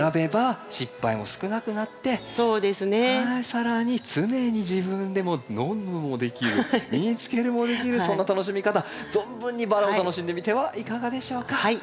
更に常に自分でも飲むのもできる身に着けるもできるそんな楽しみ方存分にバラを楽しんでみてはいかがでしょうか。